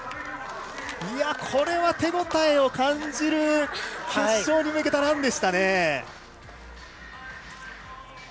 これは手応えを感じる決勝に向けたランでした。